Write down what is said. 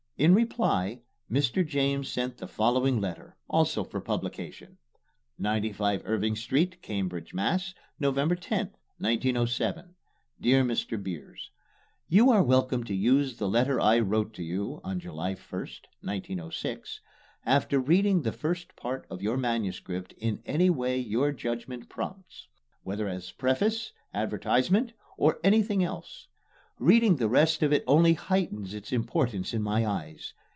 In reply, Mr. James sent the following letter, also for publication. 95 IRVING ST., CAMBRIDGE, MASS. November 10, 1907. DEAR MR. BEERS: You are welcome to use the letter I wrote to you (on July 1, 1906) after reading the first part of your MS. in any way your judgment prompts, whether as preface, advertisement, or anything else. Reading the rest of it only heightens its importance in my eyes.